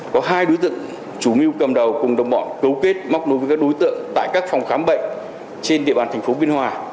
có hai đối tượng chủ mưu cầm đầu cùng đồng bọn cấu kết mắc đối với các đối tượng tại các phòng khám bệnh trên địa bàn tp biên hòa